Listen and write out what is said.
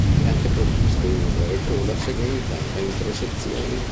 È anche provvisto di una breve coda segmentata in tre sezioni.